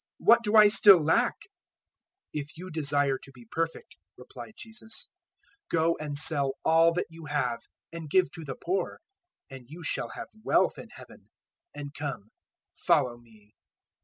What do I still lack?" 019:021 "If you desire to be perfect," replied Jesus, "go and sell all that you have, and give to the poor, and you shall have wealth in Heaven; and come, follow me."